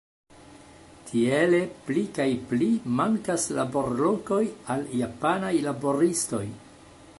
Tiele pli kaj pli mankas laborlokoj al japanaj laboristoj.